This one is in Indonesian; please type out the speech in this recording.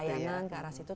ke layanan ke arah situ